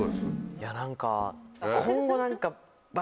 いや何か。